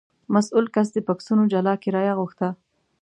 مسوول کس د بکسونو جلا کرایه غوښته.